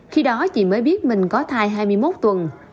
khi đó chị mới biết mình có thai hai mươi một tuần